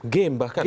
game bahkan ya